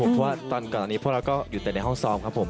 เพราะว่าตอนก่อนอันนี้พวกเราก็อยู่แต่ในห้องซ้อมครับผม